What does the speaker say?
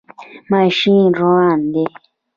ماشین روان دی